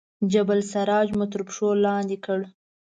جبل السراج مو تر پښو لاندې کړ.